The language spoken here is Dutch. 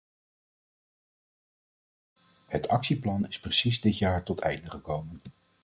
Het actieplan is precies dit jaar tot einde gekomen.